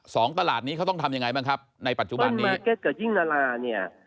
ตลาดนี้เขาต้องทำยังไงบ้างครับในปัจจุบันนี้ถ้าเกิดยิ่งลาราเนี่ย